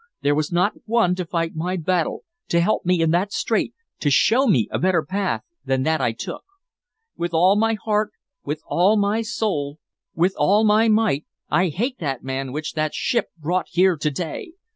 There was not one to fight my battle, to help me in that strait, to show me a better path than that I took. With all my heart, with all my soul, with all my might, I hate that man which that ship brought here to day!